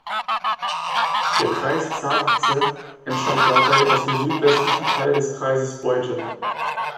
Der Kreis Zabrze entstand dabei aus dem südwestlichen Teil des Kreises Beuthen.